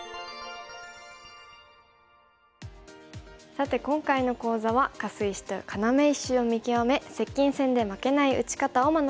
さて今回の講座はカス石と要石を見極め接近戦で負けない打ち方を学びました。